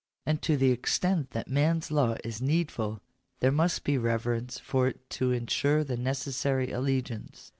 And to the extent that man's law is needful there must be reverence for it to ensure the necessary allegiance.